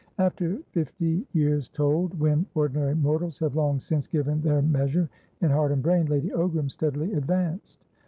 After fifty years told, when ordinary mortals have long since given their measure in heart and brain, Lady Ogram steadily advanced.